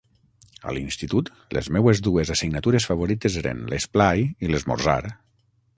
A l'institut, les meues dues assignatures favorites eren l'esplai i l'esmorzar.